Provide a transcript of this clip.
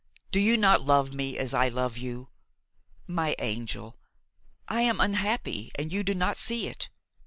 do you not love me as I love you? My angel! I am unhappy and you do not see it.